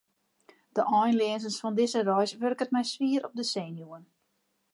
De einleazens fan dizze reis wurket my swier op 'e senuwen.